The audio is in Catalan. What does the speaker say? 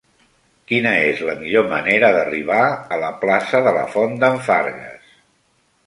Quina és la millor manera d'arribar a la plaça de la Font d'en Fargues?